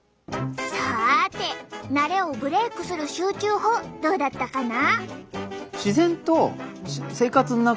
さてなれをブレークする集中法どうだったかな？